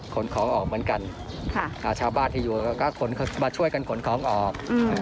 ขนของออกเหมือนกันชาวบ้านที่อยู่ก็มาช่วยกันขนของออก